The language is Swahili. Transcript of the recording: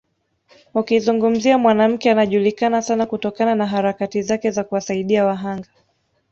Ukizungumzia mwanamke anajulikana sana kutokana na harakati zake za kuwasaidia wahanga